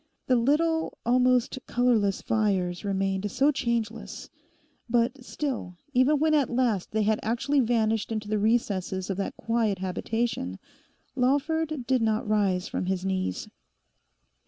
The little almost colourless fires remained so changeless. But still, even when at last they had actually vanished into the recesses of that quiet habitation, Lawford did not rise from his knees.